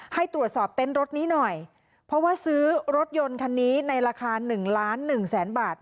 ให้ตรวจสอบเต็นต์รถนี้หน่อยเพราะว่าซื้อรถยนต์คันนี้ในราคาหนึ่งล้านหนึ่งแสนบาท